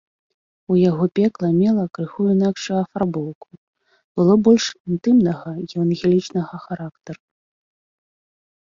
У яго пекла мела крыху інакшую афарбоўку, было больш інтымнага евангелічнага характару.